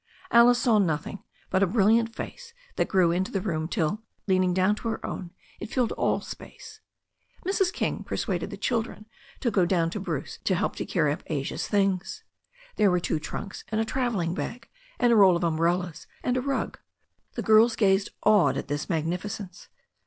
Alice saw nothing but a brilliant face that grew into the room till, leaning down to her own, it filled all space. Mrs. King persuaded the children to go down to Bruce to help to carry up Asia's things. There were two trunks, and a travelling bag, and a roll of umbrellas, and a rug. The girls gazed awed at this magnificence.